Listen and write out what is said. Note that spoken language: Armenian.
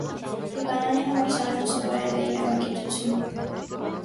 Լիբանանի համալսարանում սովորել է իրավագիտություն։